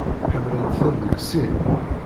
Ḥemmlent-ten deg sin.